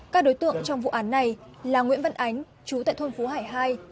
các đối tượng trong vụ án này là nguyễn văn ánh chú tại thôn phú hải hai